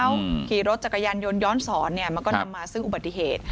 บางทีรถจักรยานย้อนย้อนสอนมันก็นำมาซึ่งอุบัติเหตุ